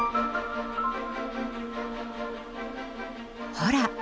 ほら！